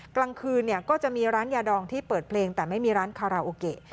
กลางคืนก็จะมีร้านยาดองที่เปิดเพลงแต่ไม่มีร้านคาราโอเกะ